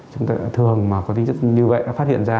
chúng ta thường mà có tính như vậy đã phát hiện ra